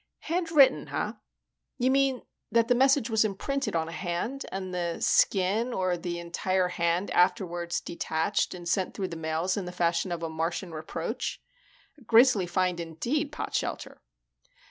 "Hand written, eh? You mean that the message was imprinted on a hand? And the skin or the entire hand afterward detached and sent through the mails in the fashion of a Martian reproach? A grisly find indeed, Potshelter."